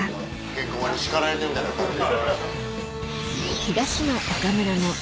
ケンコバに叱られてるみたいな感じ。